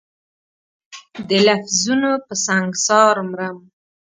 د لفظونو په سنګسار مرم